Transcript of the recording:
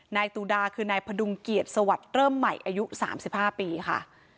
นายตูดาคือนายพดุงเกียรติสวัสดิ์เริ่มใหม่อายุ๓๕ปีค่ะ